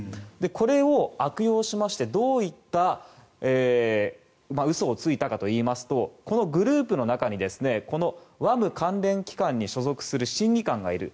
これを悪用しましてどういった嘘をついたかといいますとこのグループの中にＷＡＭ関連機関に所属する審議官がいる。